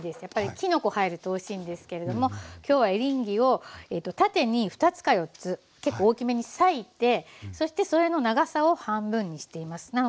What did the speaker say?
やっぱりきのこ入るとおいしいんですけれども今日はエリンギを縦に２つか４つ結構大きめに裂いてそしてそれの長さを半分にしています。